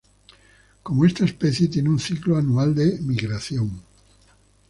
Como esta especie, tiene un ciclo anual de migración.